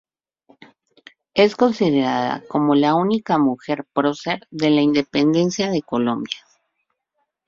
Es considerada como la única mujer prócer de la Independencia de Colombia.